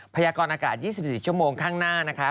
ยากรอากาศ๒๔ชั่วโมงข้างหน้านะคะ